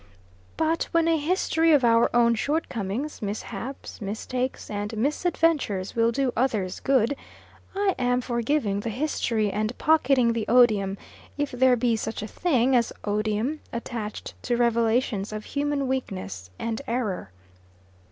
But, when a history of our own shortcomings, mishaps, mistakes, and misadventures will do others good, I am for giving the history and pocketing the odium, if there be such a thing as odium attached to revelations of human weakness and error.